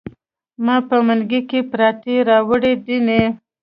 ما په منګي کې پراټې راوړي دینه.